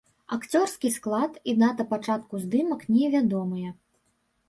Акцёрскі склад і дата пачатку здымак невядомыя.